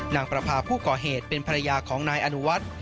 นางประพาผู้ก่อเหตุเป็นภรรยาของนายอนุวัฒน์